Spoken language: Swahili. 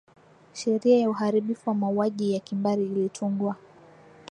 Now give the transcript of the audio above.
sheria ya uharibifu wa mauaji ya kimbari ilitungwa